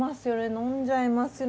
飲んじゃいますよね。